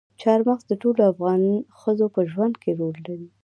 چار مغز د ټولو افغان ښځو په ژوند کې رول لري.